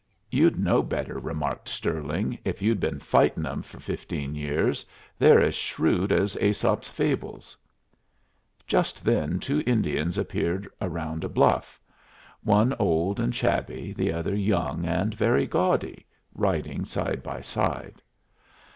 "You'd know better," remarked Stirling, "if you'd been fighting 'em for fifteen years. They're as shrewd as Æsop's fables." Just then two Indians appeared round a bluff one old and shabby, the other young and very gaudy riding side by side.